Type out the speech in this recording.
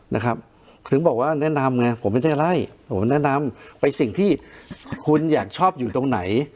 นะครับถึงบอกว่าแนะนำไงผมไม่ได้ไล่ผมแนะนำไปสิ่งที่คุณอยากชอบอยู่ตรงไหน